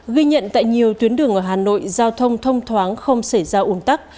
ghi nhận tại nhiều tuyến đường ở hà nội giao thông thông thoáng không xảy ra uốn tắc